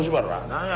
何や？